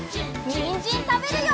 にんじんたべるよ！